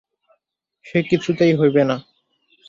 সে কিছুতেই হইবে না।